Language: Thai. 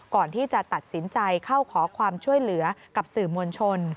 ก่อนที่จะตัดสินใจเข้าขอความช่วยเหลือกับสื่อมวลชน